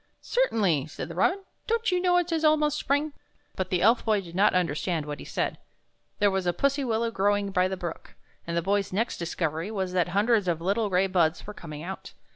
"" Certainly," said the robin, " don't you know it is almost spring?" But the Elf Boy did not understand what he said. There was a pussy willow growing by the brook, and the Boy's next discovery was that hundreds of little gray buds were coming out.